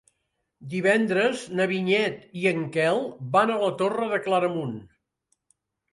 Divendres na Vinyet i en Quel van a la Torre de Claramunt.